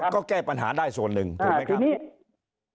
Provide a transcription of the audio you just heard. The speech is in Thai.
ก็แก้ปัญหาได้ส่วนหนึ่งถูกไหมครับ